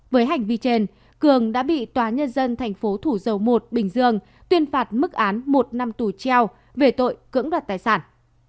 với hành vi trên cường đã bị tnth thủ dầu một bình dương tuyên phạt mức án một năm tù treo về tội cưỡng đoạt tài sản